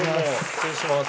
失礼します。